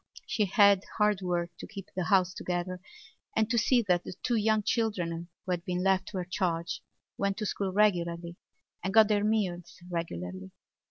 She had hard work to keep the house together and to see that the two young children who had been left to her charge went to school regularly and got their meals regularly.